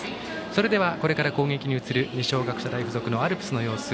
それではこれから攻撃に移る二松学舎大付属のアルプスの様子